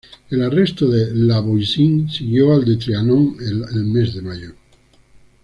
Al arresto de La Voisin siguió el de Trianon el mes de mayo.